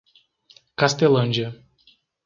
Castelândia